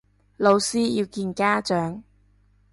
老師要見家長